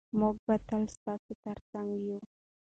موږ به تل ستاسو ترڅنګ یو.